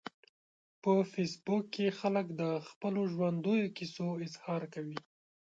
په فېسبوک کې خلک د خپلو ژوندیو کیسو اظهار کوي